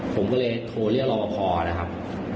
ผมก็เลยโทรเรียกรอบพอนะครับ